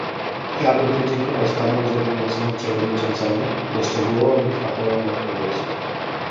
Chciałabym podziękować panu urzędującemu przewodniczącemu za szczegółową i fachową odpowiedź